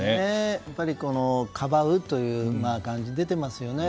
やっぱり、かばうという感じが出てますよね。